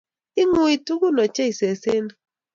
Ingui tugun ochei sesenik